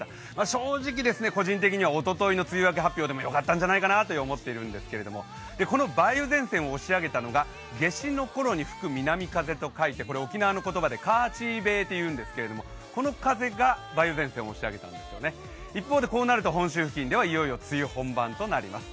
正直、個人的にはおとといの梅雨明け発表でもよかったんじゃないかなと思ったんですけど、この梅雨前線を押し上げたのが、夏至のころに吹く南風と書いて沖縄の言葉でかーちーべーと言うんですけれども、この風が梅雨前線を押し上げたんですね、こうなるといよいよ梅雨本番となります。